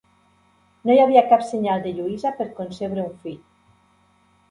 No hi havia cap senyal de Lluïsa per concebre un fill.